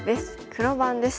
黒番です。